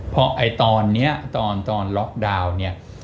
เพราะตอนนี้ตอนล็อกดาวน์เนี่ย